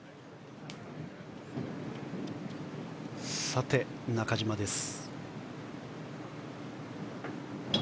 さて、中島です。